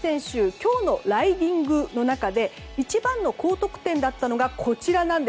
今日のライディングの中で一番の高得点だったのがこちら。